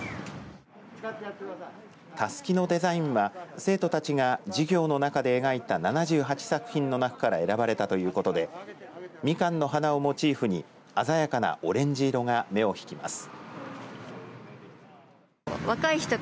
たすきのデザインは生徒たちが授業の中で描いた７８作品の中から選ばれたということでみかんの花をモチーフに鮮やかなオレンジ色が目を引きます。